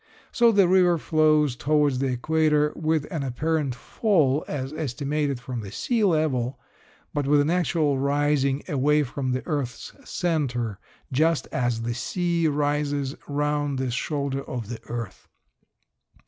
So the river flows towards the equator with an apparent fall as estimated from the sea level, but with an actual rising away from the earth's center just as the sea rises round this shoulder of the earth.